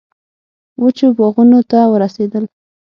وچو باغونو ته ورسېدل.